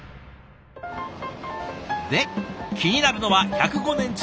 で気になるのは１０５年続くまかない。